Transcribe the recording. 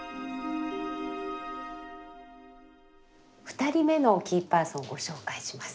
２人目のキーパーソンご紹介します。